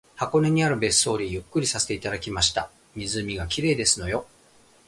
箱根にある別荘でゆっくりさせていただきました。湖が綺麗ですのよ